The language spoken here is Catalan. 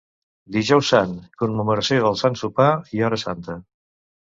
Dijous Sant: commemoració del Sant Sopar i Hora Santa.